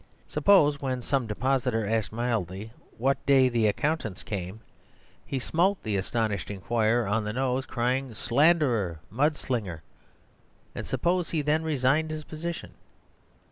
Suppose when some depositor asked mildly what day the accountants came, he smote that astonished inquirer on the nose, crying: "Slanderer! Mud slinger!" and suppose he then resigned his position.